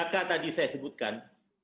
tiga k tadi saya sebutkan